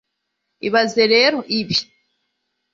ibaze rero ibi